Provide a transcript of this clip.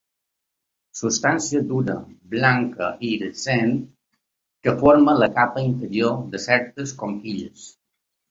Substància dura, blanca, iridescent, que forma la capa interior de certes conquilles.